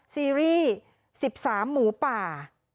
ซีรีส์๑๓หมูป่า